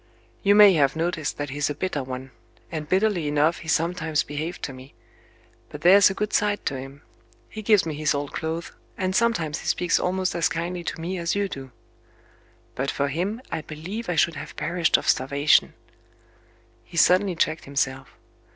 You may have noticed that he's a bitter one and bitterly enough he sometimes behaved to me. But there's a good side to him. He gives me his old clothes, and sometimes he speaks almost as kindly to me as you do. But for him, I believe I should have perished of starvation " He suddenly checked himself.